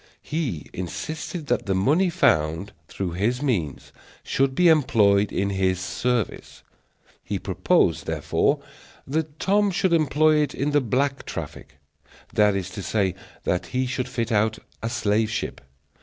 He insisted that the money found through his means should be employed in his service. He proposed, therefore, that Tom should employ it in the black traffic; that is to say, that he should fit out a slave ship.